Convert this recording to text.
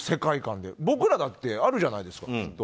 僕らだってあるじゃないですか。